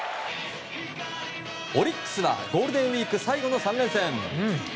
オリックスはゴールデンウィーク最後の３連戦。